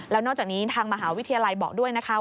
แล้วนอกจากนี้ทางมหาวิทยาลัยบอกด้วยนะคะ